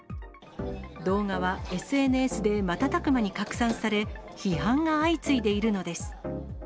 動画はＳＮＳで瞬く間に拡散され、批判が相次いでいるのです。